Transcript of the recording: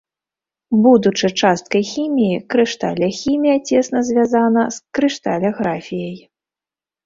Будучы часткай хіміі, крышталяхімія цесна звязана з крышталяграфіяй.